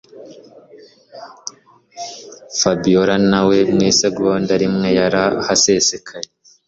Fabiora nawe mwisegonda rimwe yarahasesekaye